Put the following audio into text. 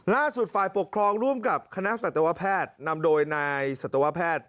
ฝ่ายปกครองร่วมกับคณะสัตวแพทย์นำโดยนายสัตวแพทย์